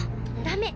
ダメ！